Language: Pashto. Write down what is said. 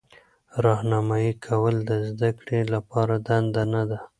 راهنمایي کول د زده کړې لپاره دنده ده.